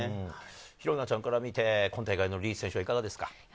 紘菜ちゃんから見て、今大会のリーチ選手はいかがですか？